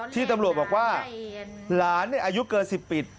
ที่ตำรวจบอกว่าหลานเนี่ยอายุเกินสิบปี